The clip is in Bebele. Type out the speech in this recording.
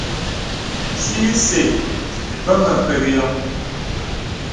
Sì isɛ̂ və mə pək yɔŋ.